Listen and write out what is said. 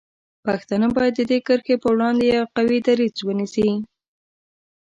پښتانه باید د دې کرښې په وړاندې یو قوي دریځ ونیسي.